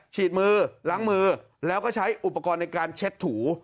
ฉีดมือล้างมือแล้วก็ใช้อุปกรณ์ในการเช็ดถู